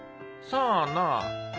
さあな。